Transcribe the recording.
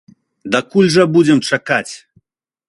Дакуль жа будзем чакаць?